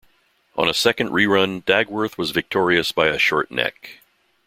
On a second rerun Dagworth was victorious by a short neck.